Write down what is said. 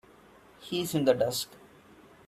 He's in the desk.